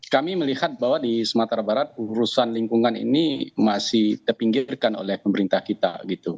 kami melihat bahwa di sumatera barat urusan lingkungan ini masih terpinggirkan oleh pemerintah kita